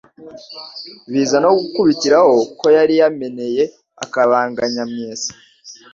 biza no gukubitiraho ko yari yameneye akabanga Nyamwesa